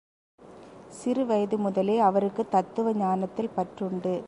சிறு வயது முதலே அவருக்குத் தத்துவ ஞானத்தில் பற்றுண்டு.